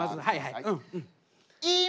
はいはい。